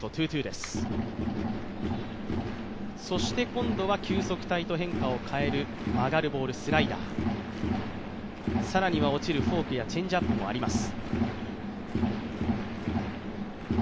そして、今度は球速帯とコースを変える曲がるボール、スライダーとさらには落ちるフォークやチェンジアップもあります